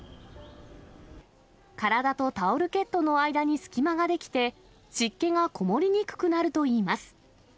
体とタオルケットの間に隙間が出来て、湿気がこもりにくくなるといいます。